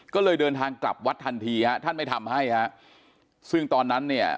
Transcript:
ก็เลยเดินทางกลับวัดทันทีฮะท่านไม่ทำให้ฮะซึ่งตอนนั้นเนี่ย